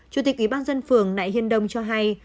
chủ tịch ủy ban dân phường nại hiên đông cho hay